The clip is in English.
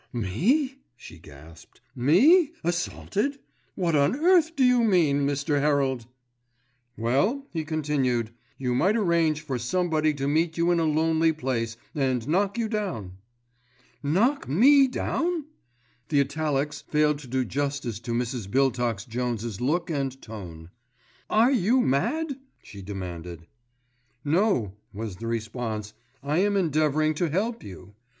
"Me?" she gasped. "Me, assaulted? What on earth do you mean, Mr. Herald?" "Well," he continued, "You might arrange for somebody to meet you in a lonely place, and knock you down." "Knock me down?" The italics fail to do justice to Mrs. Biltox Jones's look and tone. "Are you mad?" she demanded. "No," was the response. "I am endeavouring to help you.